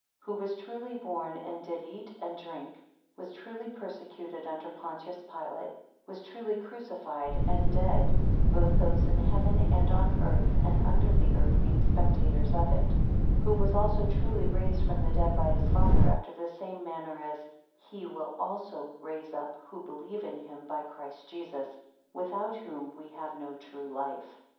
11 Who was truly born, and did eat and drink; was truly persecuted under Pontius Pilate; was truly crucified and dead; both those in heaven and on earth, and under the earth, being spectators of it: 12 Who, was also truly raised from the dead by his Father, after the same manner as HE will also raise up us who believe in him by Christ Jesus; without whom we have no true life.